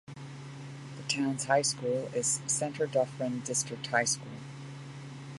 The town's high school is Centre Dufferin District High School.